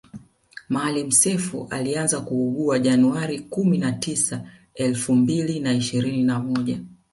Maalim Self alianza kuugua january kumi na tisa elfu mbili na ishirini na moja